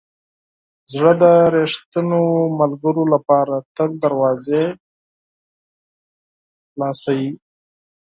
زړه د ریښتینو ملګرو لپاره تل دروازې خلاصوي.